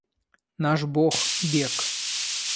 Наш бог бег.